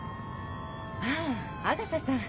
あぁ阿笠さん。